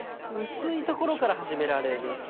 薄いところから始められる。